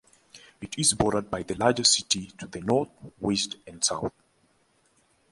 It is bordered by the larger city to the north, west, and south.